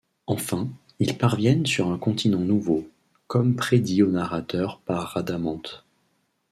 Enfin, ils parviennent sur un continent nouveau, comme prédit au narrateur par Rhadamanthe.